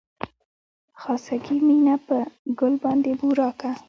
خاصګي مينه په ګل باندې بورا کا